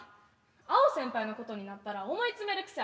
アオ先輩のことになったら思い詰める癖あるよ。